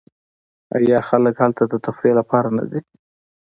آیا خلک هلته د تفریح لپاره نه ځي؟